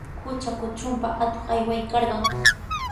Qutra kutrunpa atuq aywaykarqan.